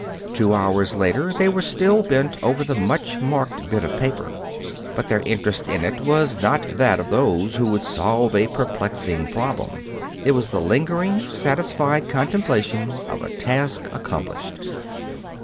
Two hours later they were still bent over the much marked bit of paper. But their interest in it was not that of those who would solve a perplexing problem. It was the lingering, satisfied contemplation of a task accomplished.